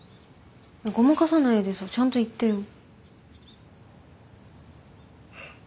ごまかさないでさちゃんと言ってよ。